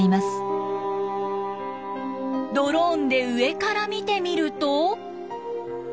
ドローンで上から見てみると。